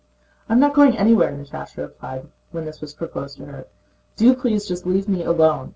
"I am not going anywhere," Natásha replied when this was proposed to her. "Do please just leave me alone!"